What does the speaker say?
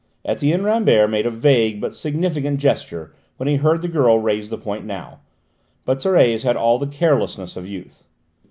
Etienne Rambert made a vague, but significant gesture when he heard the girl raise the point now, but Thérèse had all the carelessness of youth.